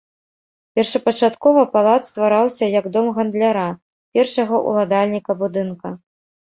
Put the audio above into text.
Першапачаткова палац ствараўся як дом гандляра, першага ўладальніка будынка.